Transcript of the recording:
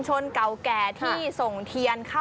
ใช่ค่ะ